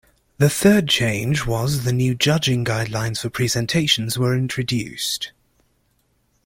The third change was the new judging guidelines for presentations were introduced.